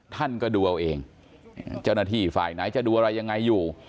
ท่านก็ดูเอาเองเจ้าหน้าที่ฝ่ายไหนจะดูอะไรยังไงอยู่